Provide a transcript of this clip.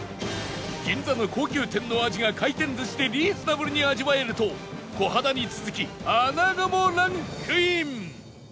銀座の高級店の味が回転寿司でリーズナブルに味わえると小肌に続き穴子もランクイン